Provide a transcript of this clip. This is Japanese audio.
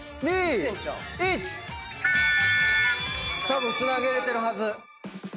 たぶんつなげれてるはず。